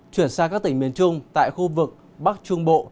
chuyển sang các tỉnh miền trung tại khu vực bắc trung bộ